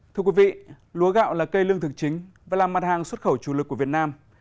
thưa quý vị lúa gạo là cây lương thực chính và là mặt hàng xuất khẩu chủ lực của việt nam